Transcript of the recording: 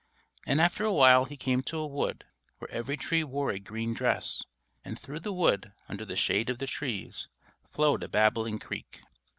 And after a while he came to a wood, where every tree wore a green dress; and through the wood, under the shade of the trees, flowed a babbling creek.